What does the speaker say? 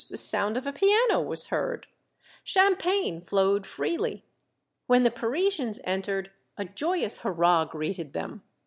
The sound of a piano was heard. Cham pagne flowed freely. When the Parisians entered, a joyous hurrah greeted them.